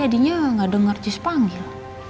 adinya gak denger jess panggil